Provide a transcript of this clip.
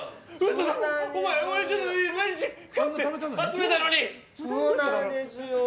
そうなんですよ。